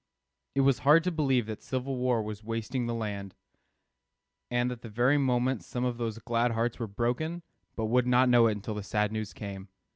it was hard to believe that civil war was wasting the land, and that at the very moment some of those glad hearts were broken but would not know it until the sad news came.